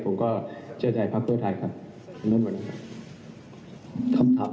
ผมก็เชื่อใจภาพเพื่อไทยครับ